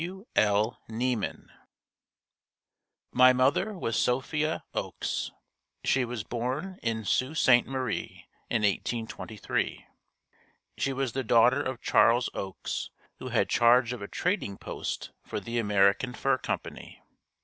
W. L. Niemann. My mother was Sophia Oakes. She was born in Sault Ste. Marie in 1823. She was the daughter of Charles Oakes who had charge of a trading post for the American Fur Company.